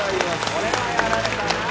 これはやられたな。